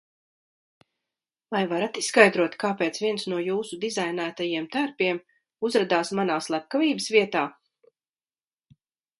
Vai varat izskaidrot, kāpēc viens no jūsu dizainētajiem tērpiem uzradās manā slepkavības vietā?